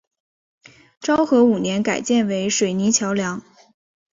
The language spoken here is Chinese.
昭和五年改建为水泥桥梁。